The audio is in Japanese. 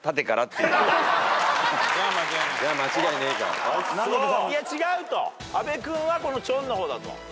いや違うと阿部君はこのちょんの方だと。